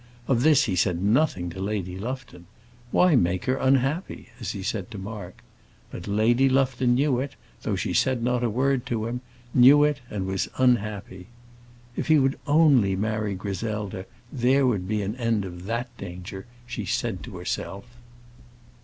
Of this he said nothing to Lady Lufton. "Why make her unhappy?" as he said to Mark. But Lady Lufton knew it, though she said not a word to him knew it, and was unhappy. "If he would only marry Griselda, there would be an end of that danger," she said to herself.